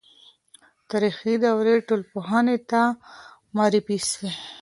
تاریخي دورې ټولنپوهنې ته معرفي سوې.